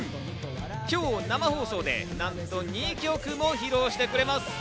今日、生放送でなんと２曲も披露してくれます。